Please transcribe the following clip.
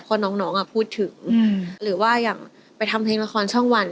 เพราะน้องพูดถึงหรือว่าอย่างไปทำเพลงละครช่องวัน